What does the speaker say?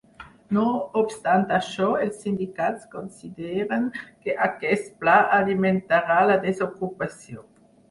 No obstant això, els sindicats consideren que aquest pla alimentarà la desocupació.